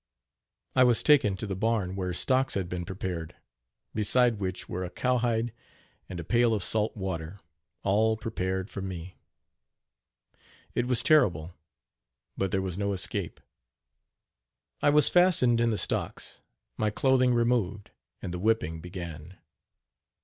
" I was taken to the barn where stocks had been prepared, beside which were a cowhide and a pail of salt water, all prepared for me. It was terrible, but there was no escape. I was fastened in the stocks, my clothing removed, and the whipping began.